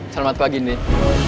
selamat pagi nin